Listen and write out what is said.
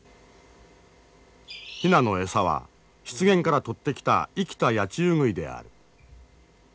ヒナの餌は湿原から取ってきた生きたヤチウグイである。